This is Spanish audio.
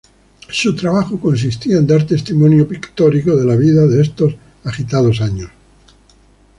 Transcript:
Su trabajo consistía en dar testimonio pictórico de la vida en estos agitados años.